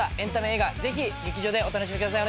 ぜひ劇場でお楽しみください。